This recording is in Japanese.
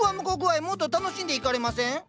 もっと楽しんでいかれません？